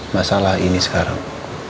masalah ini sekarang